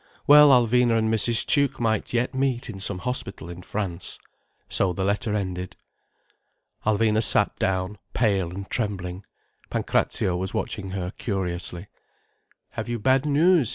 Well, Alvina and Mrs. Tuke might yet meet in some hospital in France. So the letter ended. Alvina sat down, pale and trembling. Pancrazio was watching her curiously. "Have you bad news?"